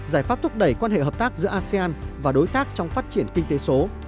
giải pháp thúc đẩy quan hệ hợp tác giữa asean và đối tác trong phát triển kinh tế số